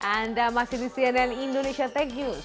anda masih di cnn indonesia tech news